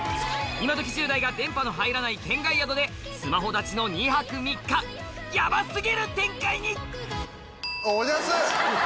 今どき１０代が電波の入らない圏外宿でスマホ断ちの２泊３日ヤバ過ぎる展開に！